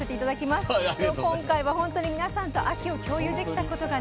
今回は本当に皆さんと秋を共有できたことが。